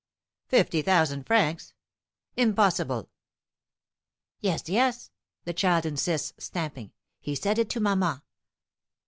"Fifty thousand francs! Impossible!" "Yes, yes!" the child insists, stamping, "he said it to mamma.